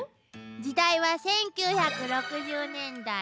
時代は１９６０年代。